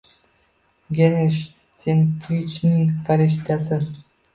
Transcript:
Genrik Senkevichning «Farishta»si